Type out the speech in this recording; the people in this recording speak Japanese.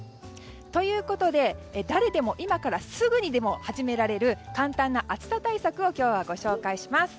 ということで、誰でも今からすぐにでも始められる簡単な暑さ対策を今日はご紹介します。